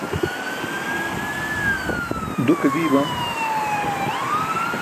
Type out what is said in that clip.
duke dii bam